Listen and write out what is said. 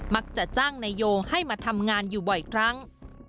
มักจะจ้างนายโยงให้มาทำงานอยู่บ่อยครั้ง